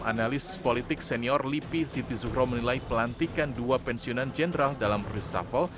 analis politik senior lipi siti zuhro menilai pelantikan dua pensiunan jenderal dalam reshuffle